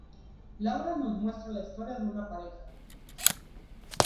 La obra nos muestra la historia de una pareja.